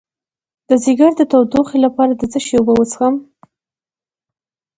د ځیګر د تودوخې لپاره د څه شي اوبه وڅښم؟